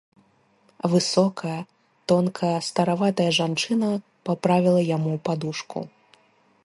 Высокая, тонкая стараватая жанчына паправіла яму падушку.